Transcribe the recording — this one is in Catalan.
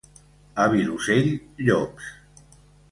A Vilosell, llops.